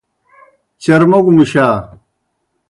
چرموگوْ مُشا۔